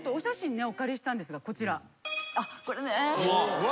うわ。